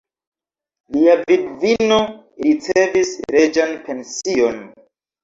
Lia vidvino ricevis reĝan pension.